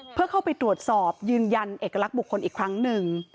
เพื่อเข้าไปตรวจสอบยืนยันเอกลักษณ์บุคคลอีกครั้งหนึ่ง